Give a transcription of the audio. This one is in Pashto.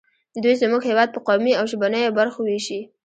دوی زموږ هېواد په قومي او ژبنیو برخو ویشي